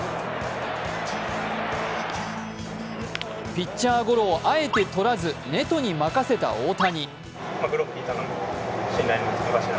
ピッチャーゴロをあえてとらずネトに任せた大谷。